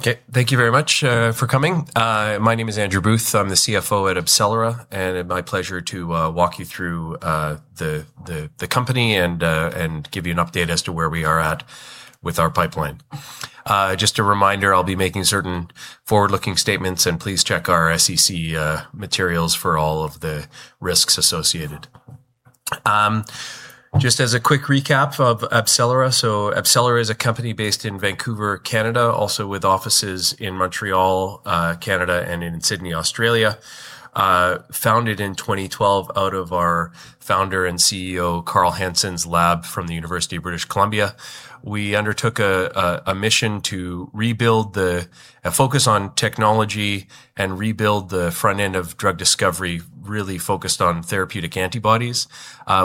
Okay. Thank you very much for coming. My name is Andrew Booth. I'm the CFO at AbCellera, and my pleasure to walk you through the company and give you an update as to where we are at with our pipeline. Just a reminder, I'll be making certain forward-looking statements, and please check our SEC materials for all of the risks associated. Just as a quick recap of AbCellera is a company based in Vancouver, Canada, also with offices in Montreal, Canada, and in Sydney, Australia. Founded in 2012 out of our founder and CEO, Carl Hansen's lab from the University of British Columbia. We undertook a mission to focus on technology and rebuild the front end of drug discovery, really focused on therapeutic antibodies.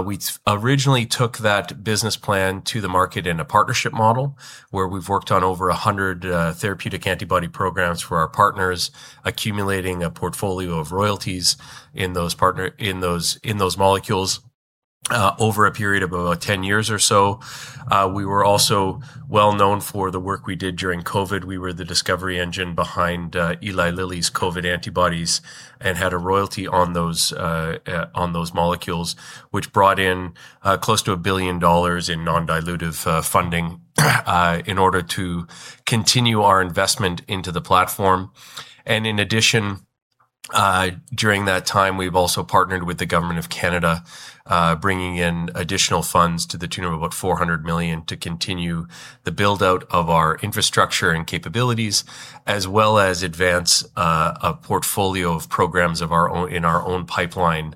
We originally took that business plan to the market in a partnership model where we've worked on over 100 therapeutic antibody programs for our partners, accumulating a portfolio of royalties in those molecules over a period of about 10 years or so. We were also well-known for the work we did during COVID. We were the discovery engine behind Eli Lilly and Company's COVID antibodies and had a royalty on those molecules, which brought in close to $1 billion in non-dilutive funding in order to continue our investment into the platform. In addition, during that time, we've also partnered with the government of Canada, bringing in additional funds to the tune of about 400 million to continue the build-out of our infrastructure and capabilities, as well as advance a portfolio of programs in our own pipeline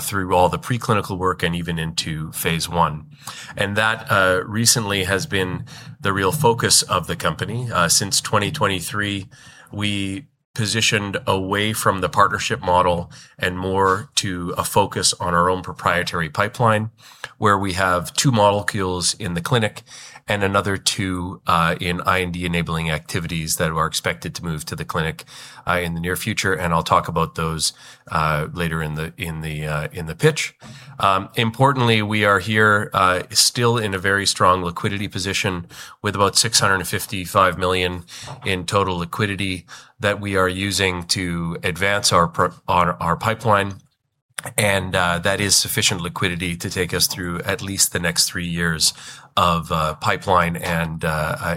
through all the preclinical work and even into phase I. That recently has been the real focus of the company. Since 2023, we positioned away from the partnership model and more to a focus on our own proprietary pipeline, where we have two molecules in the clinic and another two in IND-enabling activities that are expected to move to the clinic in the near future, and I'll talk about those later in the pitch. Importantly, we are here still in a very strong liquidity position with about 655 million in total liquidity that we are using to advance our pipeline, and that is sufficient liquidity to take us through at least the next three years of pipeline and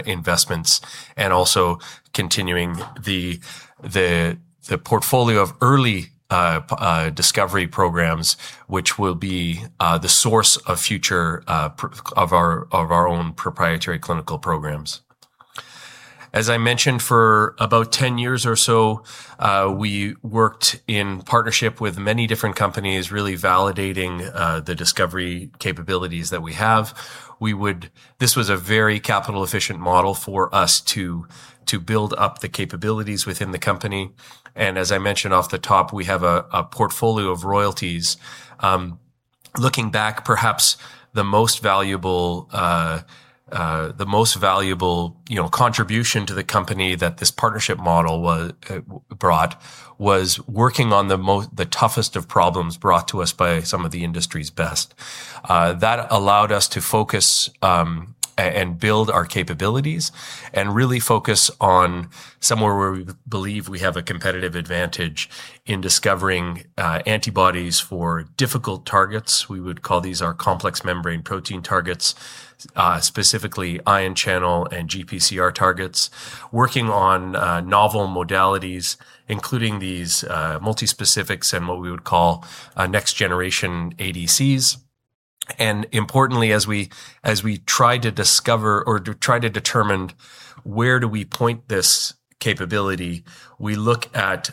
investments, and also continuing the portfolio of early discovery programs, which will be the source of our own proprietary clinical programs. As I mentioned, for about 10 years or so, we worked in partnership with many different companies, really validating the discovery capabilities that we have. This was a very capital-efficient model for us to build up the capabilities within the company, and as I mentioned off the top, we have a portfolio of royalties. Looking back, perhaps the most valuable contribution to the company that this partnership model brought was working on the toughest of problems brought to us by some of the industry's best. That allowed us to focus and build our capabilities and really focus on somewhere where we believe we have a competitive advantage in discovering antibodies for difficult targets. We would call these our complex membrane protein targets, specifically ion channel and GPCR targets, working on novel modalities, including these multispecifics and what we would call next generation ADCs. Importantly, as we try to discover or try to determine where do we point this capability, we look at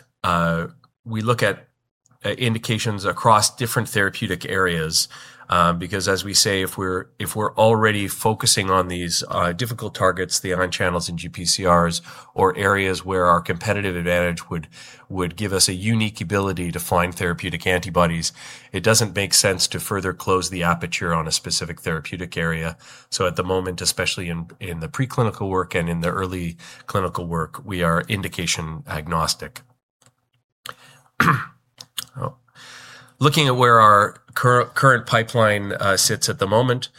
indications across different therapeutic areas. As we say, if we're already focusing on these difficult targets, the ion channels and GPCRs, or areas where our competitive advantage would give us a unique ability to find therapeutic antibodies, it doesn't make sense to further close the aperture on a specific therapeutic area. At the moment, especially in the preclinical work and in the early clinical work, we are indication agnostic. Looking at where our current pipeline sits at the moment,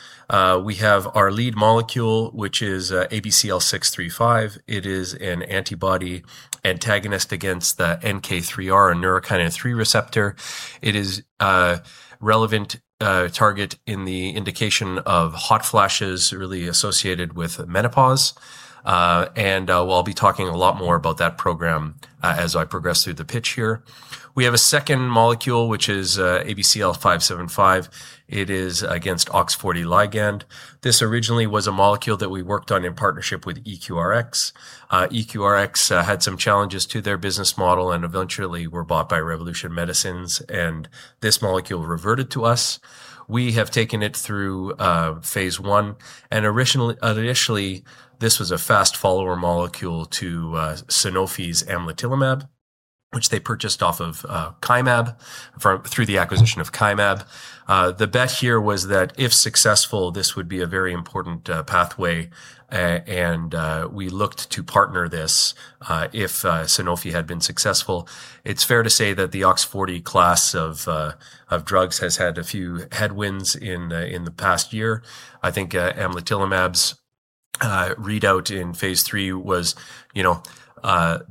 we have our lead molecule, which is ABCL635. It is an antibody antagonist against the NK3R, a neurokinin 3 receptor. It is a relevant target in the indication of hot flashes really associated with menopause, and we'll be talking a lot more about that program as I progress through the pitch here. We have a second molecule, which is ABCL575. It is against OX40 ligand. This originally was a molecule that we worked on in partnership with EQRx. EQRx had some challenges to their business model and eventually were bought by Revolution Medicines, and this molecule reverted to us. We have taken it through phase I, and initially, this was a fast follower molecule to Sanofi's amlitelimab, which they purchased off of Chimerix through the acquisition of Chimerix. The bet here was that if successful, this would be a very important pathway, and we looked to partner this if Sanofi had been successful. It's fair to say that the OX40 class of drugs has had a few headwinds in the past year. I think amlitelimab's readout in phase III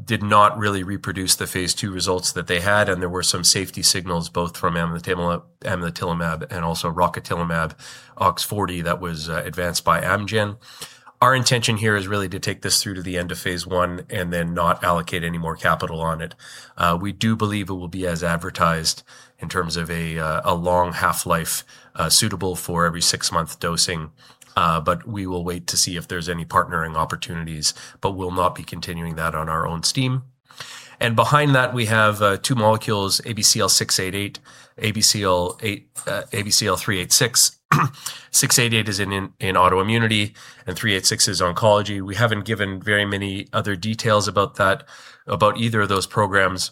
did not really reproduce the phase II results that they had, and there were some safety signals both from amlitelimab and also rocatinlimab, OX40, that was advanced by Amgen. Our intention here is really to take this through to the end of phase I and then not allocate any more capital on it. We do believe it will be as advertised in terms of a long half-life, suitable for every six-month dosing. We will wait to see if there's any partnering opportunities, but we'll not be continuing that on our own steam. Behind that, we have two molecules, ABCL688, ABCL386. 688 is in autoimmunity and 386 is oncology. We haven't given very many other details about either of those programs.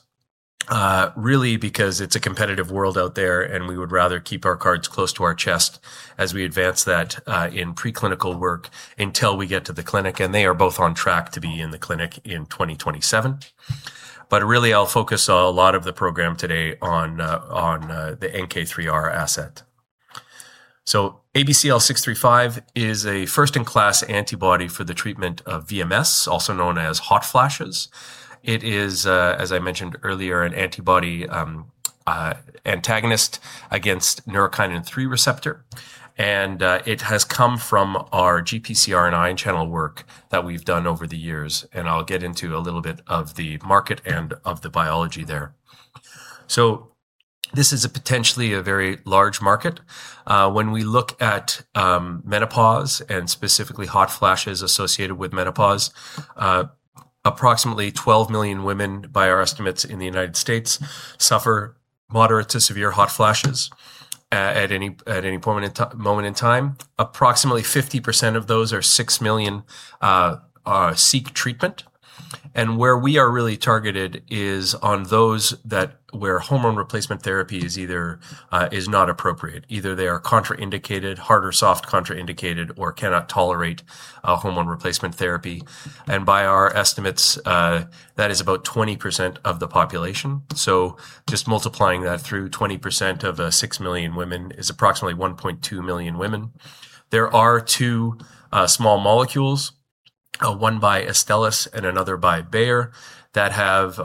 Because it's a competitive world out there, we would rather keep our cards close to our chest as we advance that in preclinical work until we get to the clinic. They are both on track to be in the clinic in 2027. I'll focus a lot of the program today on the NK3R asset. ABCL635 is a first-in-class antibody for the treatment of VMS, also known as hot flashes. It is, as I mentioned earlier, an antibody antagonist against neurokinin 3 receptor. It has come from our GPCR and ion channel work that we've done over the years, I'll get into a little bit of the market and of the biology there. This is potentially a very large market. When we look at menopause and specifically hot flashes associated with menopause, approximately 12 million women, by our estimates in the United States, suffer moderate to severe hot flashes at any moment in time. Approximately 50% of those, or 6 million, seek treatment. Where we are really targeted is on those where hormone replacement therapy is not appropriate. Either they are contraindicated, hard or soft contraindicated, or cannot tolerate hormone replacement therapy. By our estimates, that is about 20% of the population. Just multiplying that through 20% of 6 million women is approximately 1.2 million women. There are two small molecules, one by Astellas and another by Bayer, that have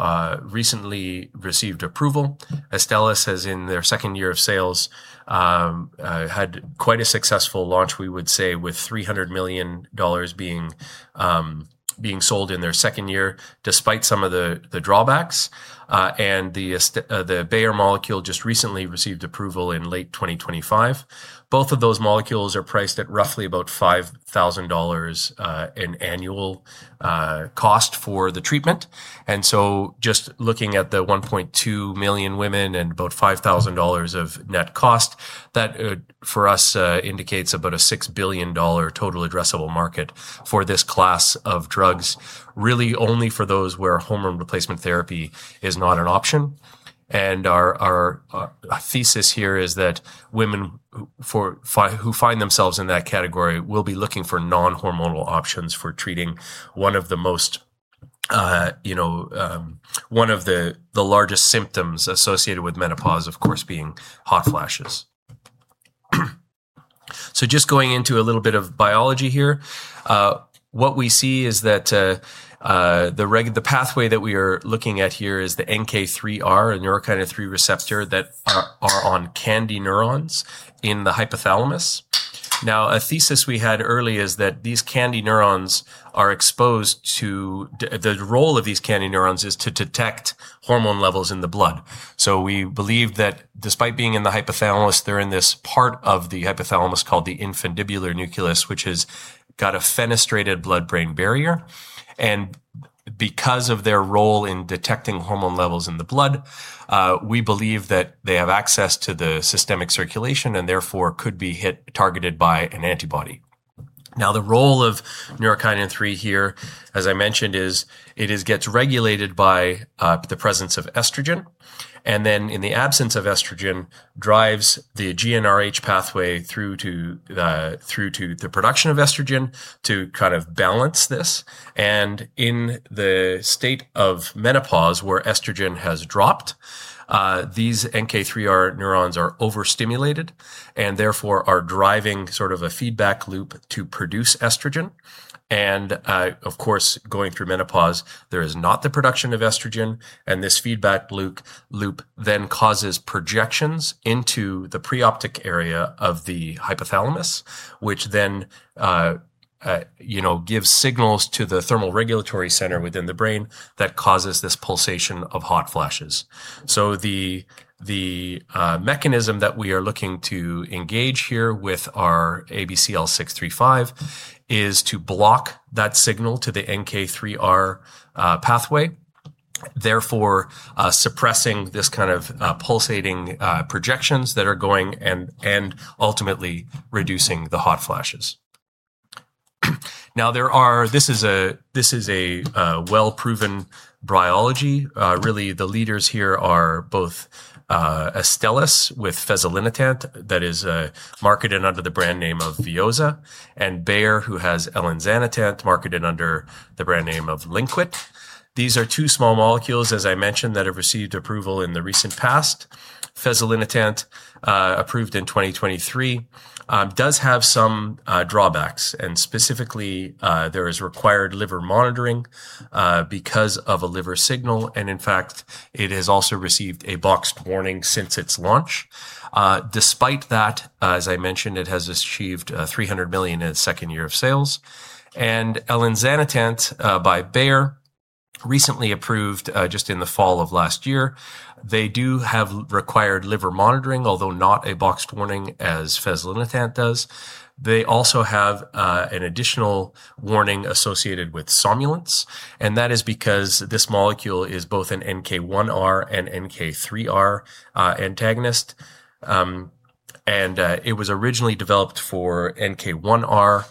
recently received approval. Astellas has, in their second year of sales, had quite a successful launch, we would say, with $300 million being sold in their second year despite some of the drawbacks. The Bayer molecule just recently received approval in late 2025. Both of those molecules are priced at roughly about $5,000 in annual cost for the treatment. Just looking at the 1.2 million women and about $5,000 of net cost, that for us indicates about a $6 billion total addressable market for this class of drugs, really only for those where hormone replacement therapy is not an option. Our thesis here is that women who find themselves in that category will be looking for non-hormonal options for treating one of the largest symptoms associated with menopause, of course, being hot flashes. Just going into a little bit of biology here. What we see is that the pathway that we are looking at here is the NK3R, a neurokinin 3 receptor that are on KNDy neurons in the hypothalamus. A thesis we had early is that the role of these KNDy neurons is to detect hormone levels in the blood. We believe that despite being in the hypothalamus, they're in this part of the hypothalamus called the infundibular nucleus, which has got a fenestrated blood-brain barrier. Because of their role in detecting hormone levels in the blood, we believe that they have access to the systemic circulation and therefore could be targeted by an antibody. The role of Neurokinin 3 here, as I mentioned, is it gets regulated by the presence of estrogen, and then in the absence of estrogen, drives the GnRH pathway through to the production of estrogen to kind of balance this. In the state of menopause, where estrogen has dropped, these NK3R neurons are overstimulated and therefore are driving sort of a feedback loop to produce estrogen. Of course, going through menopause, there is not the production of estrogen, and this feedback loop then causes projections into the preoptic area of the hypothalamus, which then gives signals to the thermoregulatory center within the brain that causes this pulsation of hot flashes. The mechanism that we are looking to engage here with our ABCL-635 is to block that signal to the NK3R pathway, therefore suppressing this kind of pulsating projections that are going and ultimately reducing the hot flashes. This is a well-proven biology, really the leaders here are both Astellas with fezolinetant that is marketed under the brand name of VEOZAH, and Bayer, who has elinzanetant, marketed under the brand name of Lynkuet. These are two small molecules, as I mentioned, that have received approval in the recent past. Fezolinetant, approved in 2023, does have some drawbacks, and specifically, there is required liver monitoring because of a liver signal, and in fact, it has also received a boxed warning since its launch. Despite that, as I mentioned, it has achieved $300 million in its second year of sales. Elinzanetant by Bayer, recently approved just in the fall of last year. They do have required liver monitoring, although not a boxed warning as fezolinetant does. They also have an additional warning associated with somnolence, and that is because this molecule is both an NK1R and NK3R antagonist. It was originally developed for NK1R,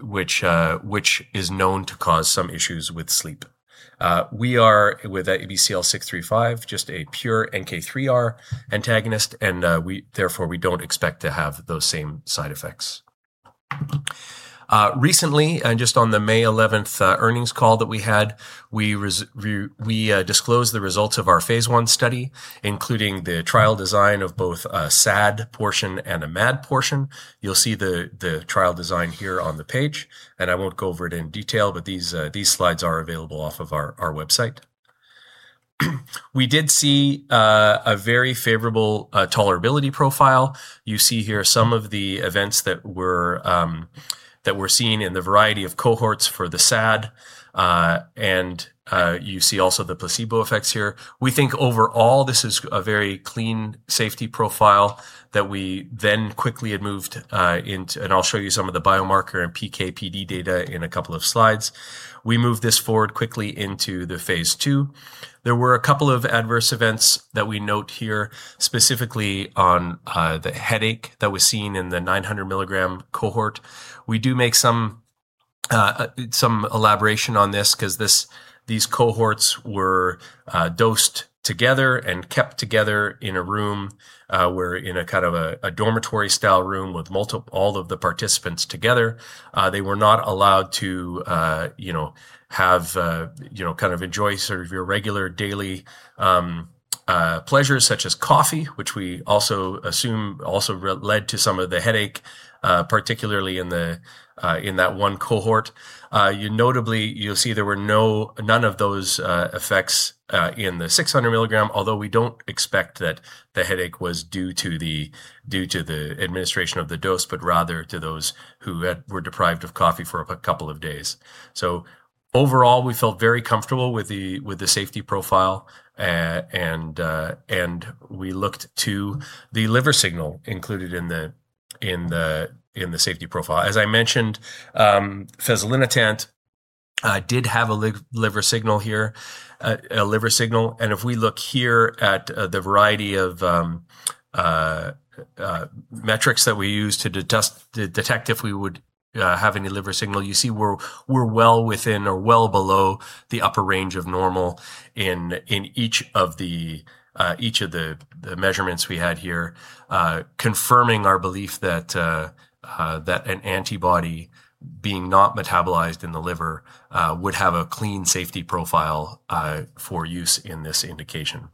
which is known to cause some issues with sleep. We are, with ABCL635, just a pure NK3R antagonist, and therefore, we don't expect to have those same side effects. Recently, just on the May 11th earnings call that we had, we disclosed the results of our phase I study, including the trial design of both a SAD portion and a MAD portion. You'll see the trial design here on the page, and I won't go over it in detail, but these slides are available off of our website. We did see a very favorable tolerability profile. You see here some of the events that were seen in the variety of cohorts for the SAD, and you see also the placebo effects here. We think overall this is a very clean safety profile that we then quickly had moved into and I'll show you some of the biomarker and PK/PD data in a couple of slides. We moved this forward quickly into the phase II. There were a couple of adverse events that we note here, specifically on the headache that was seen in the 900 mg cohort. We do make some elaboration on this because these cohorts were dosed together and kept together in a room, were in a kind of a dormitory-style room with all of the participants together. They were not allowed to enjoy sort of your regular daily pleasures such as coffee, which we also assume also led to some of the headache, particularly in that one cohort. Notably, you'll see there were none of those effects in the 600 mg, although we don't expect that the headache was due to the administration of the dose, but rather to those who were deprived of coffee for a couple of days. Overall, we felt very comfortable with the safety profile, and we looked to the liver signal included in the safety profile. As I mentioned, fezolinetant did have a liver signal here. If we look here at the variety of metrics that we use to detect if we would have any liver signal, you see we're well within or well below the upper range of normal in each of the measurements we had here, confirming our belief that an antibody being not metabolized in the liver would have a clean safety profile for use in this indication.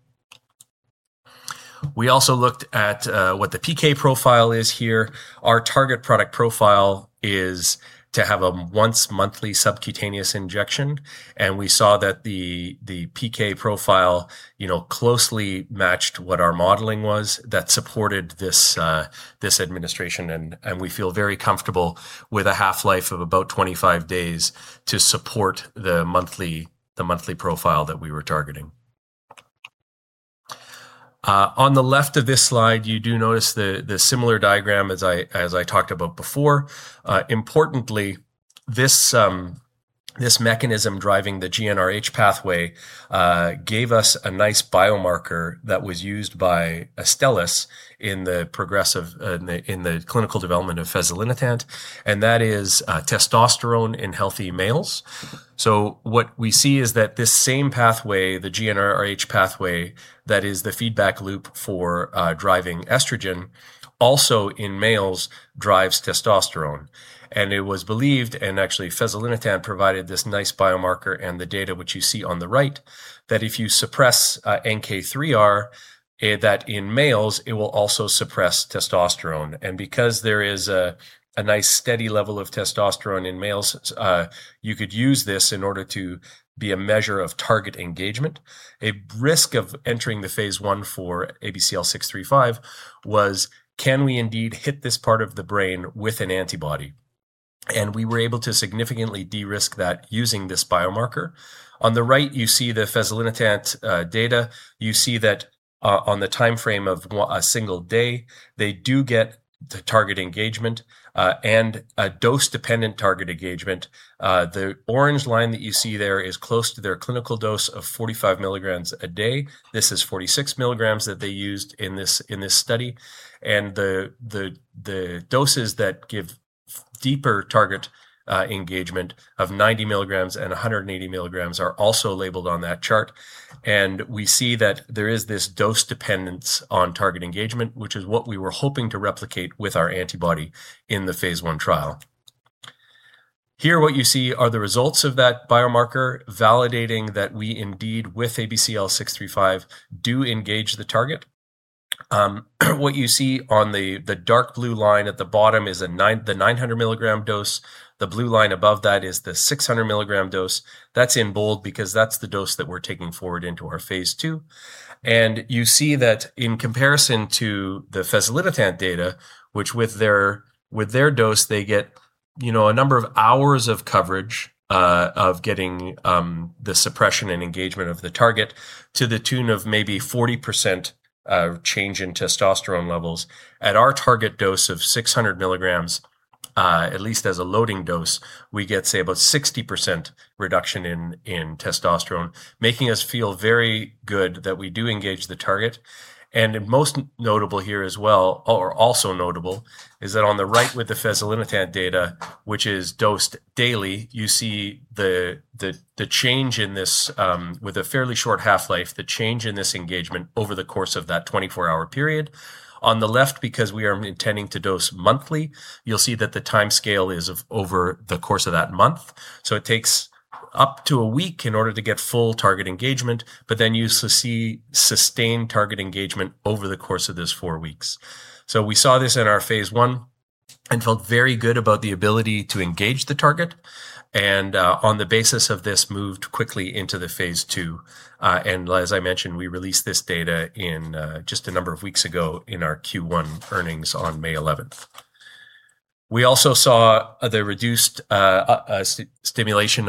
We also looked at what the PK profile is here. Our target product profile is to have a once-monthly subcutaneous injection, and we saw that the PK profile closely matched what our modeling was that supported this administration, and we feel very comfortable with a half-life of about 25 days to support the monthly profile that we were targeting. On the left of this slide, you do notice the similar diagram as I talked about before. Importantly, this mechanism driving the GnRH pathway gave us a nice biomarker that was used by Astellas in the clinical development of fezolinetant, and that is testosterone in healthy males. What we see is that this same pathway, the GnRH pathway, that is the feedback loop for driving estrogen, also in males, drives testosterone. It was believed, and actually fezolinetant provided this nice biomarker and the data which you see on the right, that if you suppress NK3R, that in males, it will also suppress testosterone. Because there is a nice steady level of testosterone in males, you could use this in order to be a measure of target engagement. A risk of entering the phase I for ABCL635 was, can we indeed hit this part of the brain with an antibody? We were able to significantly de-risk that using this biomarker. On the right, you see the fezolinetant data. You see that on the timeframe of one day, they do get the target engagement and a dose-dependent target engagement. The orange line that you see there is close to their clinical dose of 45 mg a day. This is 46 mg that they used in this study. The doses that give deeper target engagement of 90 mg and 180 mg are also labeled on that chart, and we see that there is this dose dependence on target engagement, which is what we were hoping to replicate with our antibody in the phase I trial. Here what you see are the results of that biomarker validating that we, indeed, with ABCL635, do engage the target. What you see on the dark blue line at the bottom is the 900 mg dose. The blue line above that is the 600 mg dose. That's in bold because that's the dose that we're taking forward into our phase II. You see that in comparison to the fezolinetant data, which with their dose, they get a number of hours of coverage, of getting the suppression and engagement of the target to the tune of maybe 40% change in testosterone levels. And our target dose of 600 mg at least as a loading dose, we get stable 60% reduction in testosterone. Making us feel very good that we are do reach the target and most notable here as well, or also notable, is that on the right with the fezolinetant data, which is dosed daily, you see the change in this, with a fairly short half-life, the change in this engagement over the course of that 24-hour period. On the left, because we are intending to dose monthly, you'll see that the timescale is over the course of that month. It takes up to a week in order to get full target engagement, you see sustained target engagement over the course of those four weeks. We saw this in our phase I and felt very good about the ability to engage the target, and on the basis of this, moved quickly into the phase II. As I mentioned, we released this data just a number of weeks ago in our Q1 earnings on May 11th. We also saw the reduced stimulation in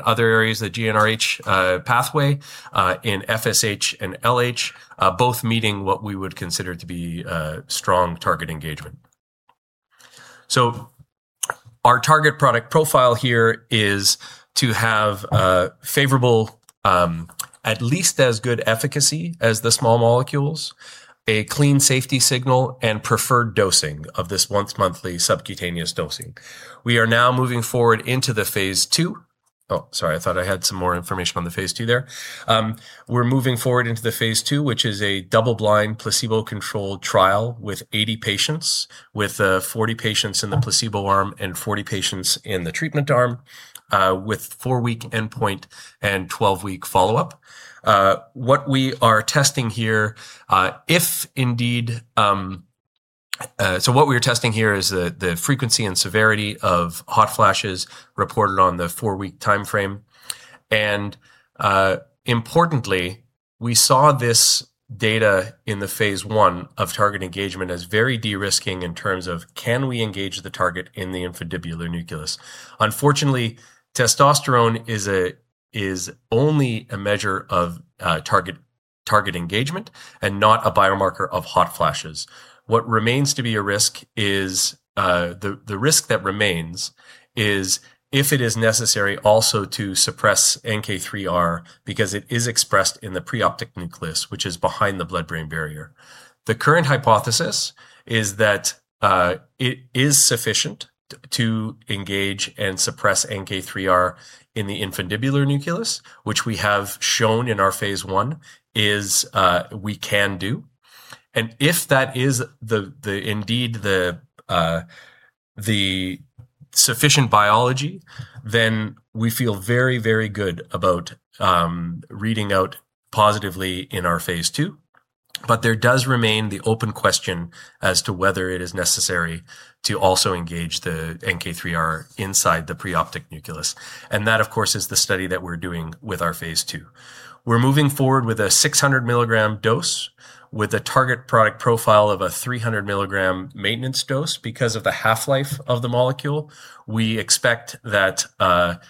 other areas, the GnRH pathway, in FSH and LH, both meeting what we would consider to be strong target engagement. Our target product profile here is to have a favorable, at least as good efficacy as the small molecules, a clean safety signal, and preferred dosing of this once-monthly subcutaneous dosing. We are now moving forward into the phase II. Oh, sorry, I thought I had some more information on the phase II there. We're moving forward into the phase II, which is a double-blind, placebo-controlled trial with 80 patients, with 40 patients in the placebo arm and 40 patients in the treatment arm, with four week endpoint and 12 week follow-up. What we are testing here is the frequency and severity of hot flashes reported on the four week timeframe, and importantly, we saw this data in the phase I of target engagement as very de-risking in terms of can we engage the target in the infundibular nucleus. Unfortunately, testosterone is only a measure of target engagement and not a biomarker of hot flashes. The risk that remains is if it is necessary also to suppress NK3R because it is expressed in the preoptic nucleus, which is behind the blood-brain barrier. The current hypothesis is that it is sufficient to engage and suppress NK3R in the infundibular nucleus, which we have shown in our phase I is we can do. If that is indeed the sufficient biology, then we feel very, very good about reading out positively in our phase II. There does remain the open question as to whether it is necessary to also engage the NK3R inside the preoptic nucleus, and that, of course, is the study that we're doing with our phase II. We're moving forward with a 600 mg dose with a target product profile of a 300 mg maintenance dose. Because of the half-life of the molecule, we expect that 600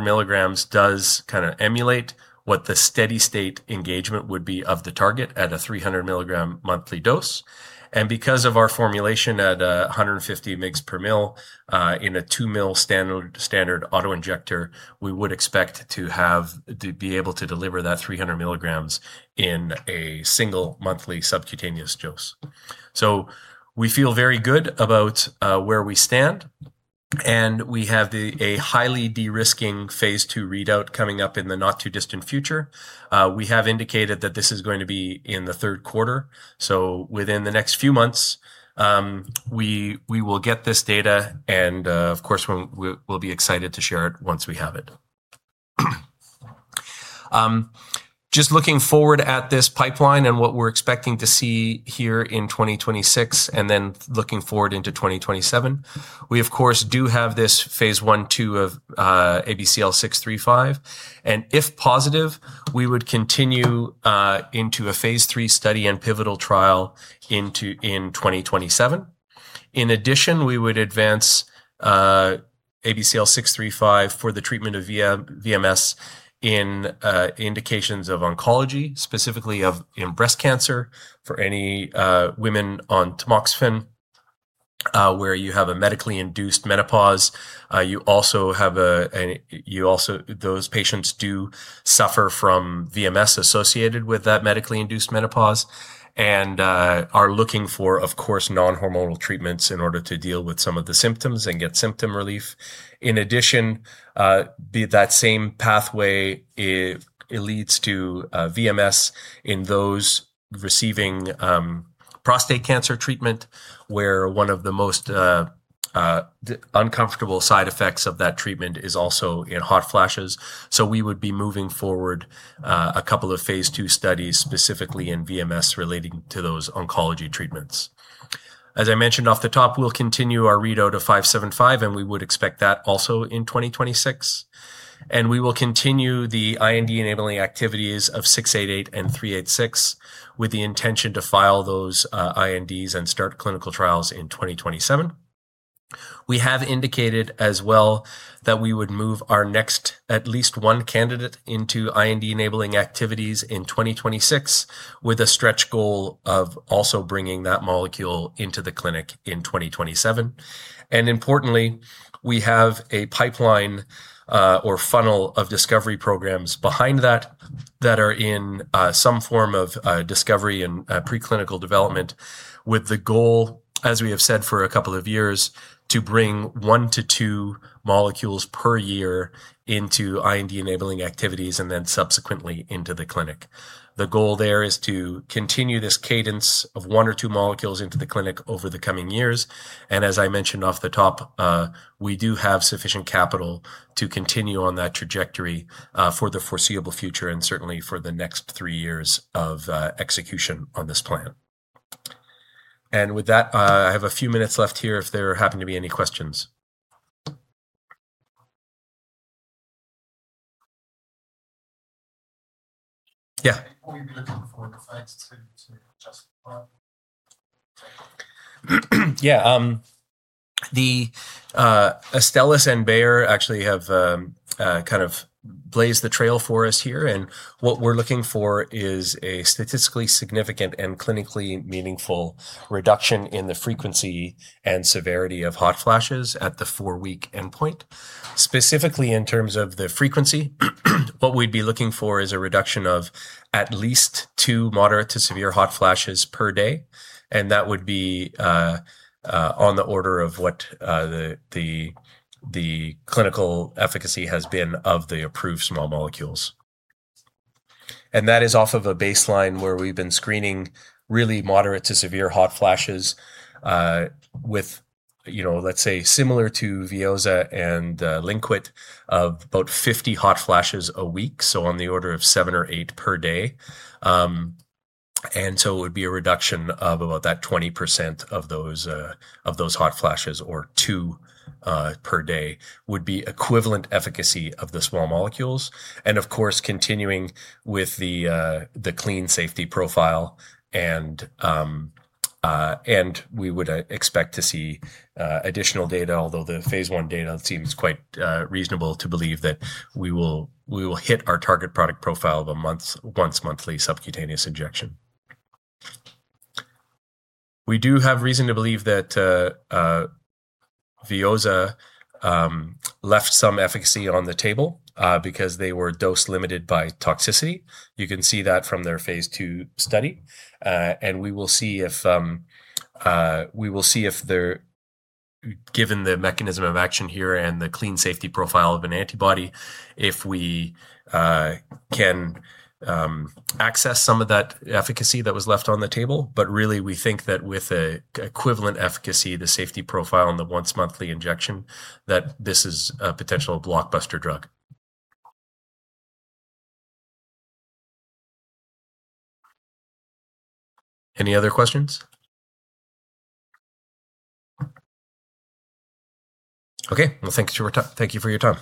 mg does emulate what the steady state engagement would be of the target at a 300 mg monthly dose. Because of our formulation at 150 mg/mL in a 2 mL standard auto-injector, we would expect to be able to deliver that 300 mg in a single monthly subcutaneous dose. We feel very good about where we stand, and we have a highly de-risking phase II readout coming up in the not-too-distant future. We have indicated that this is going to be in Q3, so within the next few months, we will get this data, and of course, we'll be excited to share it once we have it. Just looking forward at this pipeline and what we're expecting to see here in 2026, then looking forward into 2027, we of course do have this phase I, II of ABCL635, and if positive, we would continue into a phase III study and pivotal trial in 2027. In addition, we would advance ABCL635 for the treatment of VMS in indications of oncology, specifically in breast cancer for any women on tamoxifen. Where you have a medically induced menopause, those patients do suffer from VMS associated with that medically induced menopause and are looking for, of course, non-hormonal treatments in order to deal with some of the symptoms and get symptom relief. In addition, that same pathway, it leads to VMS in those receiving prostate cancer treatment, where one of the most uncomfortable side effects of that treatment is also in hot flashes. We would be moving forward a couple of phase II studies, specifically in VMS, relating to those oncology treatments. As I mentioned off the top, we'll continue our read-out of 575, and we would expect that also in 2026. We will continue the IND-enabling activities of 688 and 386 with the intention to file those INDs and start clinical trials in 2027. We have indicated as well that we would move our next at least one candidate into IND-enabling activities in 2026, with a stretch goal of also bringing that molecule into the clinic in 2027. Importantly, we have a pipeline or funnel of discovery programs behind that that are in some form of discovery and preclinical development with the goal, as we have said for a couple of years, to bring one to two molecules per year into IND-enabling activities and then subsequently into the clinic. The goal there is to continue this cadence of one or two molecules into the clinic over the coming years. As I mentioned off the top, we do have sufficient capital to continue on that trajectory for the foreseeable future and certainly for the next three years of execution on this plan. With that, I have a few minutes left here if there happen to be any questions. What would you be looking for in a phase II to justify? Astellas and Bayer actually have blazed the trail for us here, and what we're looking for is a statistically significant and clinically meaningful reduction in the frequency and severity of hot flashes at the four-week endpoint. Specifically, in terms of the frequency, what we'd be looking for is a reduction of at least two moderate to severe hot flashes per day, and that would be on the order of what the clinical efficacy has been of the approved small molecules. That is off of a baseline where we've been screening really moderate to severe hot flashes with, let's say, similar to VEOZAH and Lynkuet, of about 50 hot flashes a week, so on the order of seven or eight per day. It would be a reduction of about that 20% of those hot flashes, or two per day would be equivalent efficacy of the small molecules. Of course, continuing with the clean safety profile, and we would expect to see additional data. Although the phase I data seems quite reasonable to believe that we will hit our target product profile of a once-monthly subcutaneous injection. We do have reason to believe that VEOZAH left some efficacy on the table because they were dose-limited by toxicity. You can see that from their phase II study. We will see if, given the mechanism of action here and the clean safety profile of an antibody, if we can access some of that efficacy that was left on the table. Really, we think that with equivalent efficacy, the safety profile, and the once-monthly injection, that this is a potential blockbuster drug. Any other questions? Okay. Well, thank you for your time.